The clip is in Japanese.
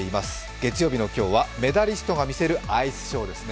月曜日の今日は「メダリストが魅せるアイスショー」ですね。